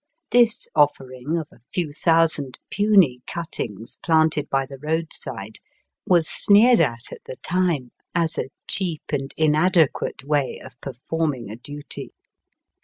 This offering of a few thousand puny cuttings planted by the roadside was sneered at at the time as a cheap and inadequate way of performing a duty.